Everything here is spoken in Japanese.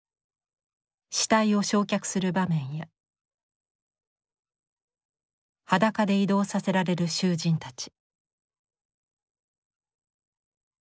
死体を焼却する場面や裸で移動させられる囚人たち。